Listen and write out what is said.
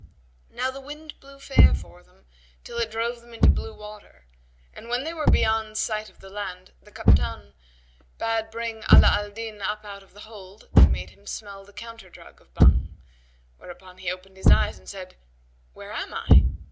Now the wind blew fair for them till it drove them into blue water, and when they were beyond sight of land the Kaptбn[FN#117] bade bring Ala al Din up out of the hold and made him smell the counter drug of Bhang; whereupon he opened his eyes and said, "Where am I?"